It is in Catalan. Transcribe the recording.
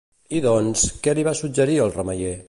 I doncs, què li va suggerir el remeier?